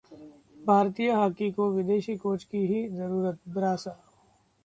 भारतीय हाकी को विदेशी कोच की ही जरूरत: ब्रासा